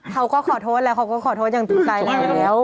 เขาก็ขอโทษแล้วอย่างจริงใจแล้ว